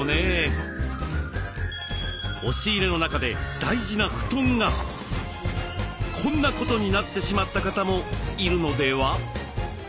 押し入れの中で大事な布団がこんなことになってしまった方もいるのでは？